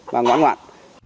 và ngoan ngoan